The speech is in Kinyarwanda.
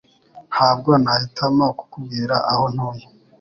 Ntabwo nahitamo kukubwira aho ntuye